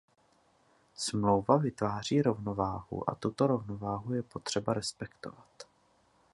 Smlouva vytváří rovnováhu a tuto rovnováhu je potřeba respektovat.